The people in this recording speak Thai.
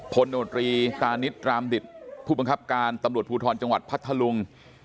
โนตรีตานิดรามดิตผู้บังคับการตำรวจภูทรจังหวัดพัทธลุง